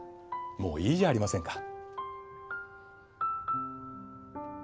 もういいじゃありませんか。